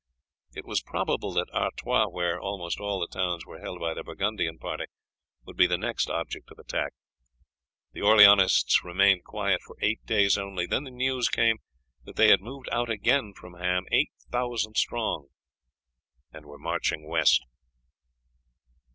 It was probable that Artois, where almost all the towns were held by the Burgundian party, would be the next object of attack. The Orleanists remained quiet for eight days only, then the news came that they had moved out again from Ham eight thousand strong, and were marching west.